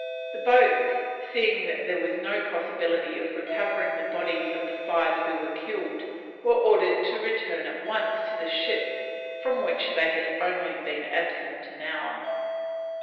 The boats, seeing there was no possibility of recovering the bodies of the five who were killed, were ordered to return at once to the ships from which they had only been absent an hour.